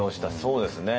そうですね。